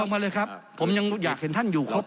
เชื่อก็ให้อย่างนี้ครับ